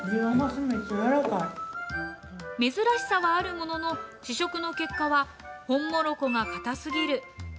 珍しさはあるものの、試食の結果は、ホンモロコが硬すぎる。